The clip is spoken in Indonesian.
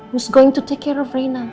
siapa yang akan jaga reina